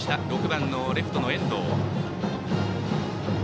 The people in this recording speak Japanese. ６番のレフトの遠藤。